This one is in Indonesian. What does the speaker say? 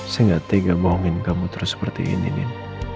saya gak tega bohongin kamu terus seperti ini din